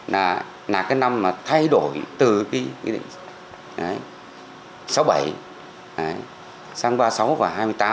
là cái năm mà thay đổi từ sáu mươi bảy sang ba mươi sáu và hai mươi tám